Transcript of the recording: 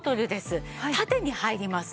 縦に入ります。